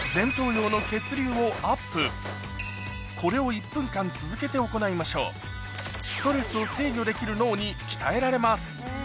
これを１分間続けて行いましょうできる脳に鍛えられます